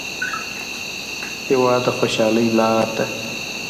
هېواد د خوشحالۍ لار ده.